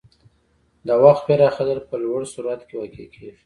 د وخت پراخېدل په لوړ سرعت کې واقع کېږي.